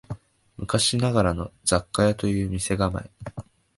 昔ながらの雑貨屋という店構え